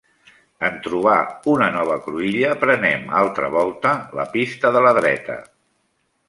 En trobar una nova cruïlla prenem, altra volta, la pista de la dreta.